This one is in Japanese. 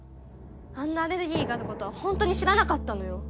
あんなアレルギーがあることは本当に知らなかったのよ！